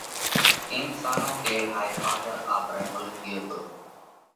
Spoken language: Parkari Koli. ڪينڪ سالون ڪيڙ هائي ڦازر آپرئہ مُلڪ ڳيو پرو،